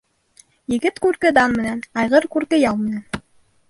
Егет күрке дан менән, айғыр күрке ял менән.